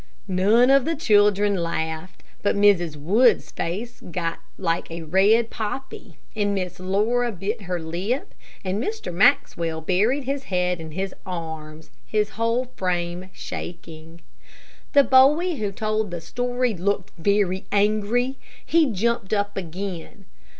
None of the children laughed, but Mrs. Wood's face got like a red poppy, and Miss Laura bit her lip, and Mr. Maxwell buried his head in his arms, his whole frame shaking. The boy who told the story looked very angry He jumped up again.